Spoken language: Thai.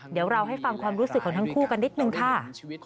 เดี๋ยวเราให้ฟังความรู้สึกของทั้งคู่กันนิดนึงค่ะ